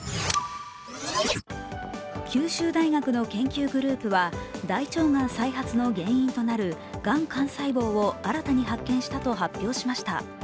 九州大学の研究グループは大腸がん再発の原因となるがん幹細胞を新たに発見したと発表しました。